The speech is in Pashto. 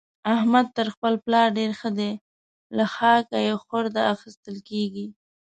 احمد تر خپل پلار ډېر ښه دی؛ له خاکه يې خورده اخېستل کېږي.